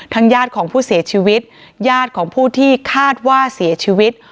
ญาติของผู้เสียชีวิตญาติของผู้ที่คาดว่าเสียชีวิต